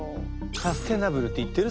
「サステナブル」って言ってる？